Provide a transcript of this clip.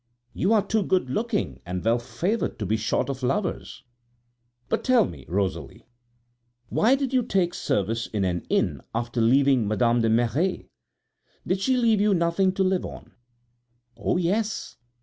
"You are too good looking and well favored to be short of lovers. But tell me, Rosalie, why did you take service in an inn after leaving Madame de Merret? Did she leave you nothing to live on?" "Oh, yes!